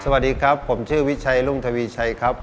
สวัสดีครับผมชื่อวิชัยรุ่งทวีชัยครับ